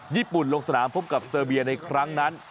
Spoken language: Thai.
ญี่ปุ่นลงสนามพบกับเซลเบียในครั้งนั้น